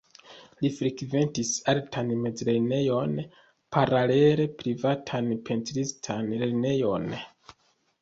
Li frekventis artan mezlernejon, paralele privatan pentristan lernejon.